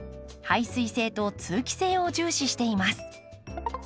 排水性と通気性を重視しています。